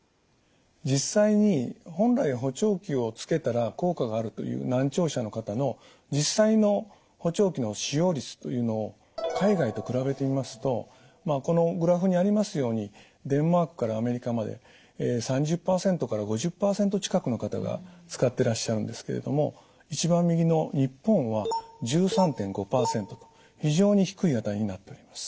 実際に本来補聴器をつけたら効果があるという難聴者の方の実際の補聴器の使用率というのを海外と比べてみますとこのグラフにありますようにデンマークからアメリカまで３０％から５０％近くの方が使ってらっしゃるんですけれども一番右の日本は１３．５％と非常に低い値になっております。